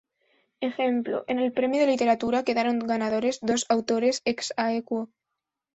Ejemplo: "En el premio de literatura quedaron ganadores dos autores ex aequo.